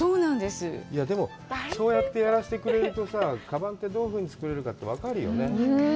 でも、そうやってやらせてくれるとさ、かばんって、どういうふうに作るか分かるよね。